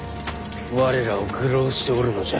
我らを愚弄しておるのじゃ。